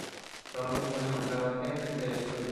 Pronto fue nombrado jefe de estudio.